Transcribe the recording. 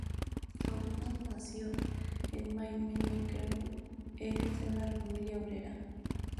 Hoffmann nació en Mannheim-Neckarau, en el seno de una familia obrera.